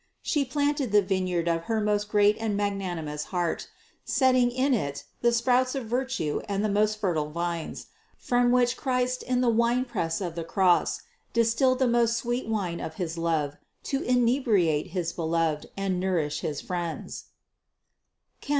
She planted the vineyard of her most great and magnanimous heart, setting in it the sprouts of virtue and the most fertile vines, from which Christ in the winepress of the Cross distilled the most sweet wine of his love to inebriate his beloved and nourish his friends (Cant.